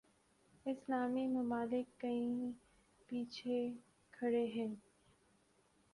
اسلامی ممالک کہیں پیچھے کھڑے ہیں۔